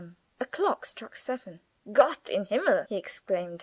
A clock struck seven. "Gott im Himmel!" he exclaimed.